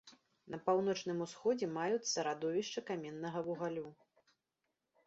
На паўночным усходзе маюцца радовішчы каменнага вугалю.